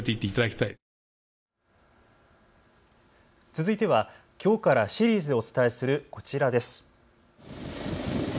続いては、きょうからシリーズでお伝えするこちらです。